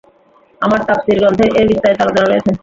আমার তাফসীর গ্রন্থে এর বিস্তারিত আলোচনা রয়েছে।